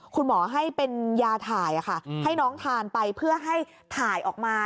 คุณหมอให้เป็นยาถ่ายให้น้องทานไปเพื่อให้ถ่ายออกมา